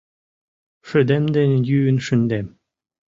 Шыдем дене йӱын шындем.